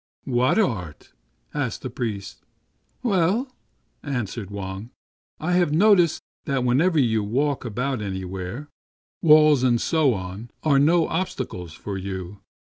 "What art?" asked the priest. " Well," answered Wang, " I have noticed that whenever you walk about anywhere, walls and so on are no obstacle to you.